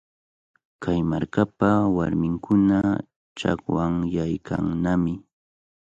Kay markapa warminkuna chakwanyaykannami.